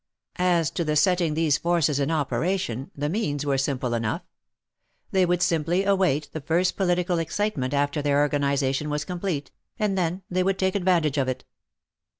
As to the setting these forces in operation, the means were simple enough. They would simply await the first political excitement after their organization was complete, 228 THE MARKETS OF PARIS. and then they would take advantage of it.